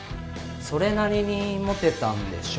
それなりにモテたんでしょ。